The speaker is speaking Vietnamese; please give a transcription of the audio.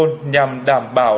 nhằm đảm bảo